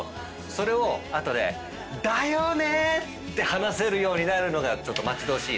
それを後でだよね！って話せるようになるのが待ち遠しいね。